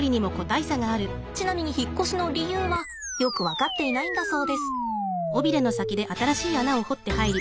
ちなみに引っ越しの理由はよく分かっていないんだそうです。